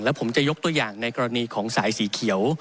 ผมจะยกตัวอย่างในกรณีของสายสีเขียว